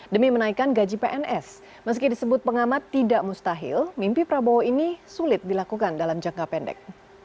demi menaikan gaji pns meski disebut pengamat tidak mustahil mimpi prabowo ini sulit dilakukan dalam jangka pendek